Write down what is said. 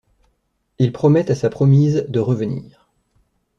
Il promet à sa promise de revenir.